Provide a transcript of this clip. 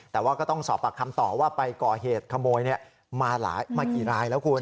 แต่ว่าก็ต้องสอบปากคำต่อว่าไปก่อเหตุขโมยมากี่รายแล้วคุณ